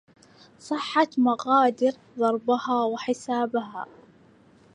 صحت مقادر ضربها وحسابها